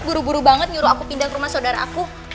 buru buru banget nyuruh aku pindah ke rumah saudara aku